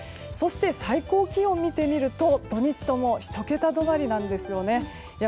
そして、最高気温を見てみると土日とも１桁止まりなんですね。